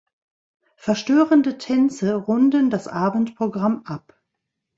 Verstörende Tänze runden das Abendprogramm ab.